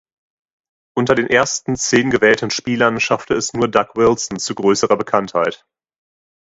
Unter den ersten zehn gewählten Spielern schaffte es nur Doug Wilson zu größerer Bekanntheit.